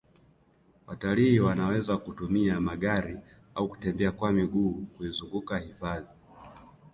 watalii wanaweza kutumia magari au kutembea kwa miguu kuizunguka hifadhi